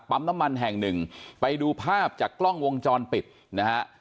น้ำมันแห่งหนึ่งไปดูภาพจากกล้องวงจรปิดนะฮะ